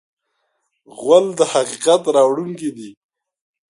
غول د حقیقت راوړونکی دی.